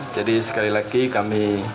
jadi sekali lagi kami